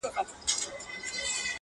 ښه به وي چي دا يې خوښـــه ســـوېده.